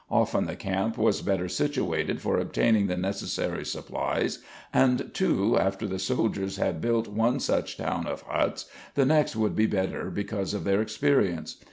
Often the camp was better situated for obtaining the necessary supplies and, too, after the soldiers had built one such town of huts the next would be better because of their experience.